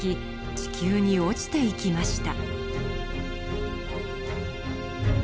地球に落ちていきました。